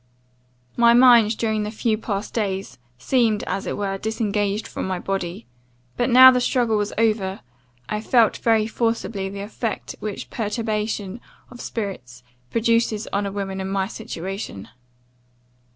"My mind, during the few past days, seemed, as it were, disengaged from my body; but, now the struggle was over, I felt very forcibly the effect which perturbation of spirits produces on a woman in my situation.